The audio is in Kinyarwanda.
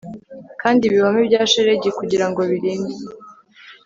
Kandi ibihome bya shelegi kugirango birinde